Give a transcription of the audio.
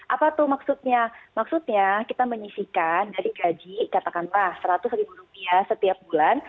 apa tuh maksudnya maksudnya kita menyisikan dari gaji katakanlah seratus ribu rupiah setiap bulan